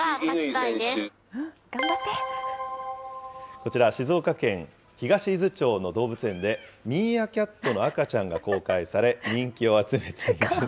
こちら、静岡県東伊豆町の動物園で、ミーアキャットの赤ちゃんが公開され、人気を集めています。